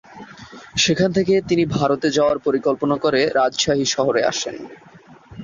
সেখান থেকে তিনি ভারতে যাওয়ার পরিকল্পনা করে রাজশাহী শহরে আসেন।